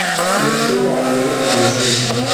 umutwe wa mbere amazina